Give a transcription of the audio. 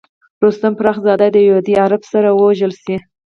رستم فرخ زاد د یوه عادي عرب سره وژل شي.